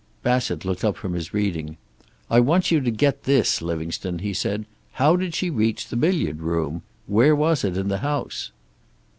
Bassett looked up from his reading. "I want you to get this, Livingstone," he said. "How did she reach the billiard room? Where was it in the house?"